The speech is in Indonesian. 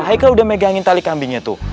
michael udah megangin tali kambingnya tuh